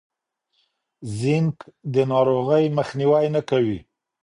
زینک د ناروغۍ مخنیوی نه کوي.